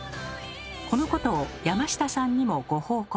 このことを山下さんにもご報告。